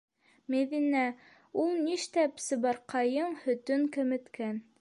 Мәҙинә, у ништәп Сыбарҡайың һөтөн кәметкән?